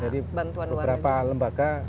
jadi beberapa lembaga